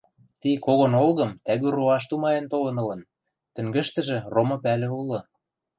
Ти кого нолгым тӓгӱ роаш тумаен толын ылын: тӹнгӹштӹжӹ ромы пӓлӹ улы.